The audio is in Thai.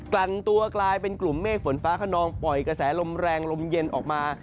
ลั่นตัวกลายเป็นกลุ่มเมฆฝนฟ้าขนองปล่อยกระแสลมแรงลมเย็นออกมา